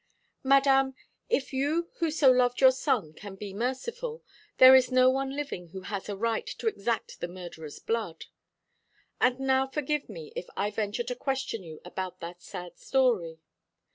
"Madame, if you who so loved your son can be merciful, there is no one living who has a right to exact the murderer's blood. And now forgive me if I venture to question you about that sad story.